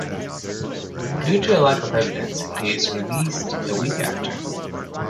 Due to lack of evidence, he is released a week after.